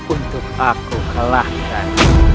untuk aku kelahkan